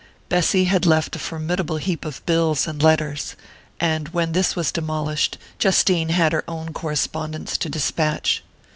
Bessy had left a formidable heap of bills and letters; and when this was demolished, Justine had her own correspondence to despatch.